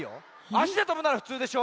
あしでとぶならふつうでしょ？